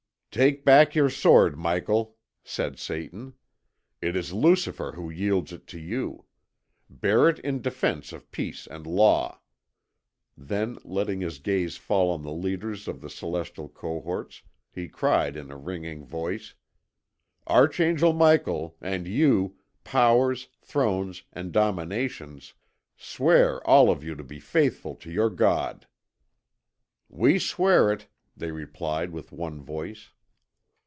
"Take back your sword, Michael," said Satan. "It is Lucifer who yields it to you. Bear it in defence of peace and law." Then letting his gaze fall on the leaders of the celestial cohorts, he cried in a ringing voice: "Archangel Michael, and you, Powers, Thrones, and Dominations, swear all of you to be faithful to your God." "We swear it," they replied with one voice.